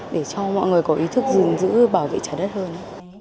để cho mọi người có ý thức gìn giữ bảo vệ trái đất hơn